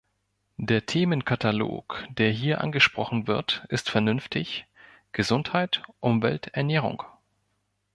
Der Themenkatalog, der hier angesprochen wird, ist vernünftig Gesundheit, Umwelt, Ernährung.